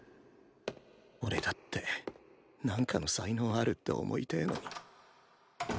俺だってなんかの才能あるって思いてえのに